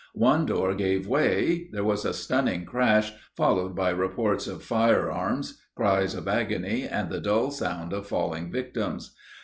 One door gave way: there was a stunning crash, followed by reports of fire arms, cries of agony, and the dull sound of falling victims.